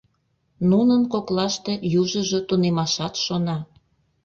Нунын коклаште южыжо тунемашат шона.